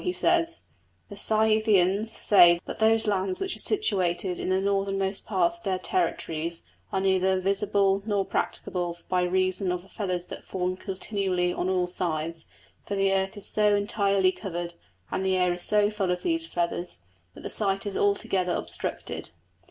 he says: "The Scythians say that those lands which are situated in the northernmost parts of their territories are neither visible nor practicable by reason of the feathers that fall continually on all sides; for the earth is so entirely covered, and the air is so full of these feathers, that the sight is altogether obstructed."